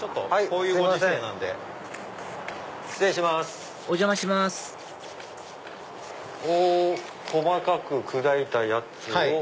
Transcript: こう細かく砕いたやつを。